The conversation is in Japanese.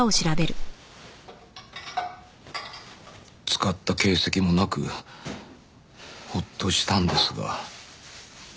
使った形跡もなくホッとしたんですが。